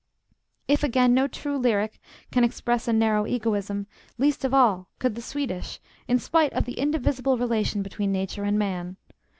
If, again, no true lyric can express a narrow egoism, least of all could the Swedish, in spite of the indivisible relation between nature and man.